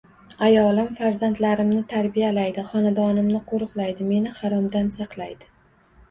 Ayolim farzandlarimni tarbiyalaydi, xonadonimni qo‘riqlaydi, meni haromdan saqlaydi.